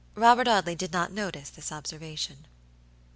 Robert Audley did not notice this observation.